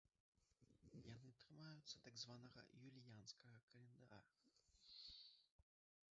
Яны трымаюцца так званага юліянскага календара.